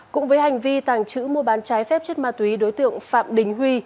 cũng với hành vi tàng trữ mua bán trái phép chất ma túy đối tượng phạm đình huy